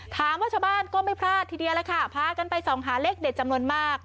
ชาวบ้านก็ไม่พลาดทีเดียวล่ะค่ะพากันไปส่องหาเลขเด็ดจำนวนมาก